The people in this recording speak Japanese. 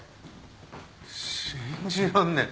信じらんねえ。